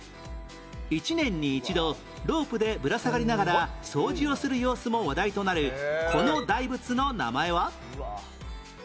１年に一度ロープでぶら下がりながら掃除をする様子も話題となるこの大仏の名前は？